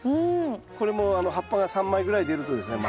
これも葉っぱが３枚ぐらい出るとですね